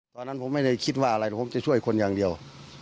ตอนนั้นผมไม่ได้คิดว่าอะไรผมจะช่วยคนอย่างเดียว